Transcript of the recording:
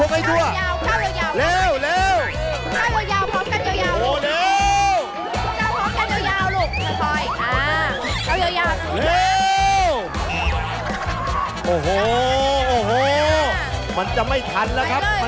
โค้งให้ดัวเร็ว